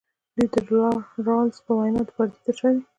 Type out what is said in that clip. دوی د رالز په وینا د پردې تر شا دي.